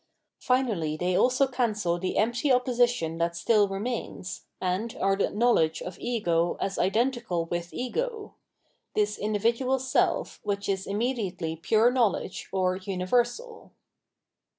Finally they also cancel the empty opposition that still remains, and are the knowledge of ego as identical with ego :— ^this individual self which is immediately pure knowledge or universal.